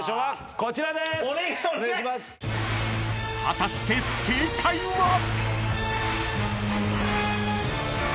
［果たして正解は？］